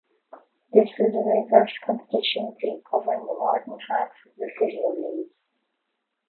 This is a diverse constituency covering the northern half of the City of Leeds.